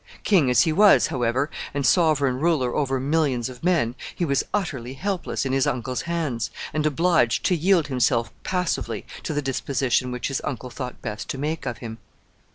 King as he was, however, and sovereign ruler over millions of men, he was utterly helpless in his uncle's hands, and obliged to yield himself passively to the disposition which his uncle thought best to make of him.